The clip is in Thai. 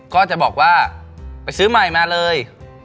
ก็จะบอกว่าไปซื้อใหม่มาเลย